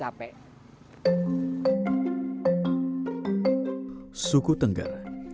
apakah ditanjong bag savior indigenous